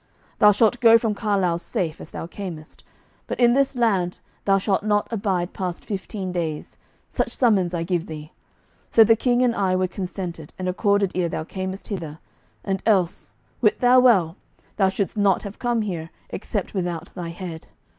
Thou shalt go from Carlisle safe, as thou camest, but in this land thou shalt not abide past fifteen days, such summons I give thee; so the King and I were consented and accorded ere thou camest hither, and else, wit thou well, thou shouldest not have come here except without thy head.